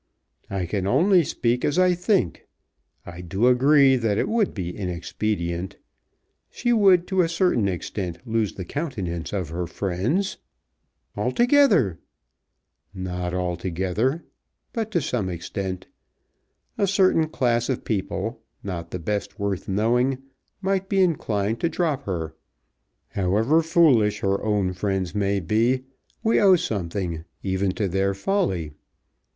"I can only speak as I think. I do agree that it would be inexpedient. She would to a certain extent lose the countenance of her friends " "Altogether!" "Not altogether, but to some extent. A certain class of people, not the best worth knowing, might be inclined to drop her. However foolish her own friends may be we owe something even to their folly."